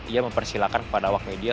ia mempersilahkan kepada awak media